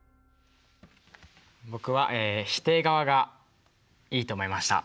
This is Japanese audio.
僕は否定側がいいと思いました。